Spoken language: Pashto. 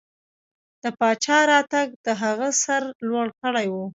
د پاچا راتګ د هغه سر لوړ کړی و.